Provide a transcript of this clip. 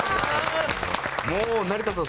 もう成田さん